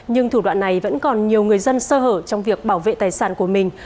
nhưng thủ đoạn này vẫn còn nhiều người dân sơ hở trong việc bảo vệ tài sản của mình